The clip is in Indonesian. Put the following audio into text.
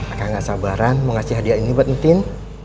aku gak sabaran mau ngasih hadiah ini buatin tin